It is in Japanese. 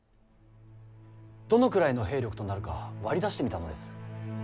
どのくらいの兵力となるか割り出してみたのです。